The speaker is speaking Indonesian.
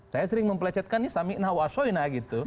saya sering mempelecetkan ini